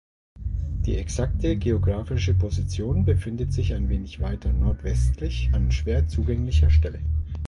Die exakte geografische Position befindet sich ein wenig weiter nordwestlich an schwer zugänglicher Stelle.